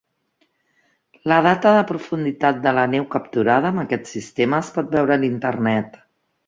La data de profunditat de la neu capturada amb aquest sistema es pot veure a l'Internet.